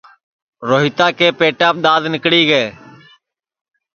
روہیتا کے پیٹاپ دؔاد نیکݪی گے